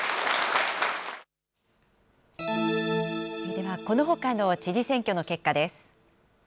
では、このほかの知事選挙の結果です。